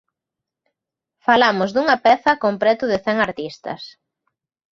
Falamos dunha peza con preto cen artistas.